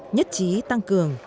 nhất trí tăng cường